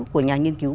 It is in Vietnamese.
của nhà nghiên cứu